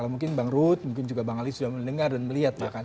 mungkin bang rult mungkin juga bang ali sudah mendengar dan melihat